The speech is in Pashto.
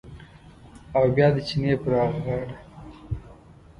او بیا د چینې پر هغه غاړه